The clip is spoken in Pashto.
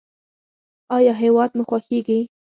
ایا هیواد مو خوښیږي؟